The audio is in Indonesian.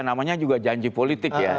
namanya juga janji politik ya